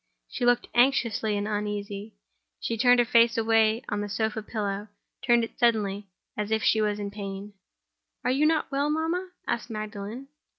She looked anxious and uneasy; she turned her face away on the sofa pillow—turned it suddenly, as if she was in pain. "Are you not well, mamma?" asked Magdalen.